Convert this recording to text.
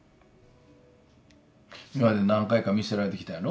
今まで何回か見捨てられてきたんやろ？